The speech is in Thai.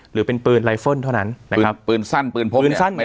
หรือเป็นปืนไลเฟิลเท่านั้นนะครับปืนสั้นปืนพกปืนสั้น